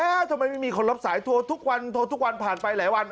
ทำไมไม่มีคนรับสายโทรทุกวันโทรทุกวันผ่านไปหลายวัน